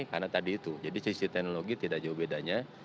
karena tadi itu jadi sisi teknologi tidak jauh bedanya